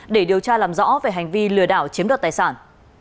để điều tra làm rõ về hành vi lừa đảo chiếm đoạt tài sản